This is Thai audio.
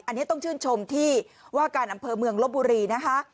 อันนี้ต้องชื่นชมที่ว่าการอำเภอเมืองลบบุรีนะคะ